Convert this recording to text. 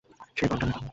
সে দলটার নেতা।